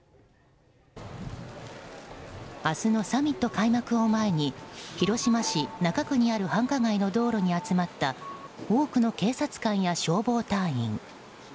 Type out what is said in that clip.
明日のサミット開幕を前に広島市中区にある繁華街の道路に集まった多くの警察官や消防隊員。